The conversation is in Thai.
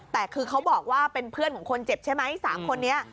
แต่คือเขาบอกว่าเป็นเพื่อนของคนเจ็บใช่ไหม๓คนนี้